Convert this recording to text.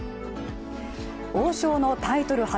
王将のタイトル初